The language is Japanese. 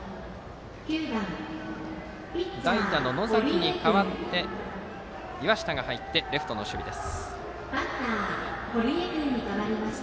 代打の野崎に代わって岩下が入ってレフトの守備です。